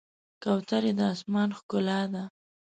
کوترې د آسمان ښکلا ده.